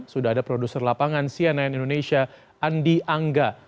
sudah ada produser lapangan cnn indonesia andi angga